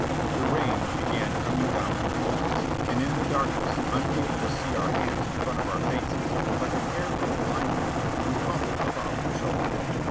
The rain began coming down in torrents, and in the darkness, unable to see our hands in front of our faces, like a pair of blind men we fumbled about for shelter.